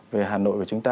về hà nội của chúng ta